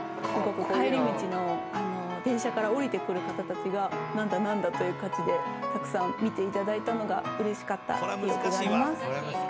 帰り道の電車から降りてくる方たちが何だ何だという感じでたくさん見ていただいたのがうれしかった記憶があります。